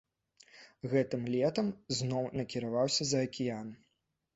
Гэтым летам зноў накіраваўся за акіян.